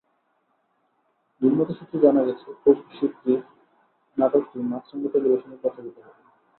নির্মাতা সূত্রে জানা গেছে, খুব শিগগির নাটকটি মাছরাঙা টেলিভিশনে প্রচারিত হবে।